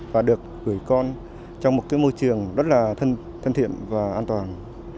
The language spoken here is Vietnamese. và được gửi con trong một cái môi trường rất là thân thiện và an toàn